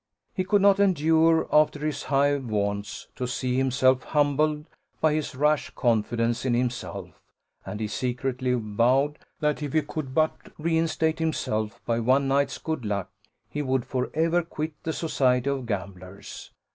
He could not endure, after his high vaunts, to see himself humbled by his rash confidence in himself, and he secretly vowed, that if he could but reinstate himself, by one night's good luck, he would for ever quit the society of gamblers.